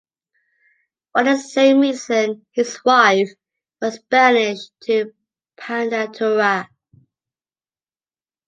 For the same reason, his wife was banished to Pandataria.